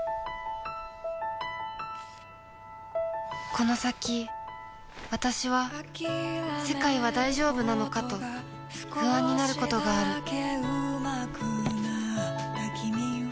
この先わたしは世界は大丈夫なのかと不安になることがある・トンッ